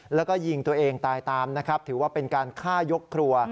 แล้วก็ยิงตัวเองตายตามนะครับถือว่าเป็นการฆ่ายกครัว